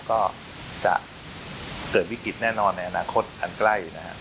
ก็จะเกิดวิกฤตแน่นอนในอนาคตอันใกล้นะครับ